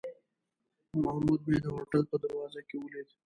محمود مې د هوټل په دروازه کې ولید.